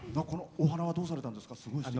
お花はどうされたんですか？